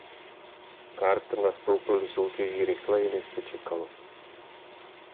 Carter nastoupil do soutěží rychleji než se čekalo.